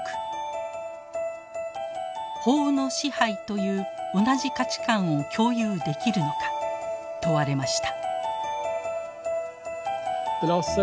「法の支配」という同じ価値観を共有できるのか問われました。